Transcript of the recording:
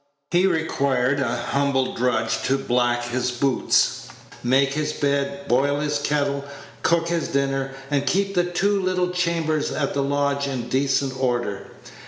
He required a humble drudge to black his boots, make his bed, boil his kettle, cook his dinner, and keep the two little chambers at the lodge in decent order.